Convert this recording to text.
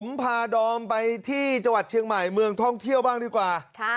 ผมพาดอมไปที่จังหวัดเชียงใหม่เมืองท่องเที่ยวบ้างดีกว่า